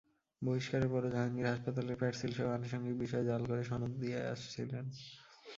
বহিষ্কারের পরও জাহাঙ্গীর হাসপাতালের প্যাড-সিলসহ আনুষঙ্গিক বিষয় জাল করে সনদ দিয়ে আসছিলেন।